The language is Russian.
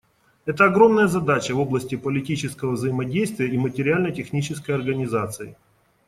Это огромная задача в области политического взаимодействия и материально-технической организации.